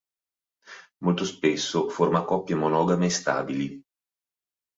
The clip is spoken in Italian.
Molto spesso forma coppie monogame stabili.